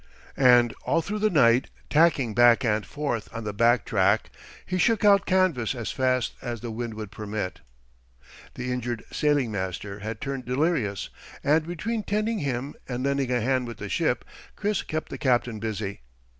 And all through the night, tacking back and forth on the back track, he shook out canvas as fast as the wind would permit. The injured sailing master had turned delirious and between tending him and lending a hand with the ship, Chris kept the captain busy.